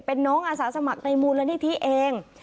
เป็นน้องอาสาสมัครในมูลนิธิเอง